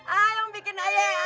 ah yang bikin ayah